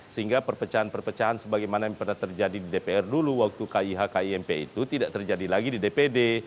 sehingga perpecahan perpecahan sebagaimana yang pernah terjadi di dpr dulu waktu kih kimp itu tidak terjadi lagi di dpd